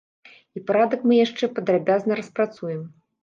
І парадак мы яшчэ падрабязна распрацуем.